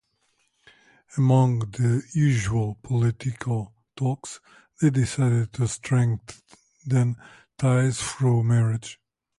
Among the usual political talks, they decided to strengthen ties through marriage.